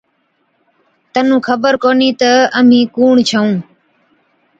تنُون خبر ڪونهِي تہ اَمهِين ڪُوڻ ڇَئُون؟